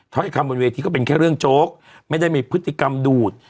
คำบนเวทีก็เป็นแค่เรื่องโจ๊กไม่ได้มีพฤติกรรมดูด